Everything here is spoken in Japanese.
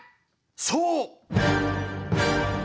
そう。